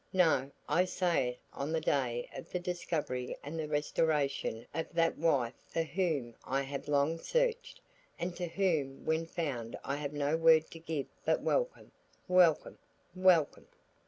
"No, I say it on the day of the discovery and the restoration of that wife for whom I have long searched, and to whom when found I have no word to give but welcome, welcome, welcome."